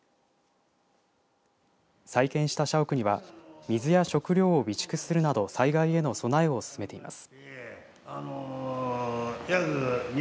再建した社屋には水や食料を備蓄するなど災害への備えを進めています。